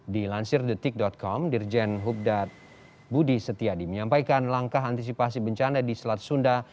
di lansirdetik com dirjen hubdad budi setiadi menyampaikan langkah antisipasi bencana di selat sunda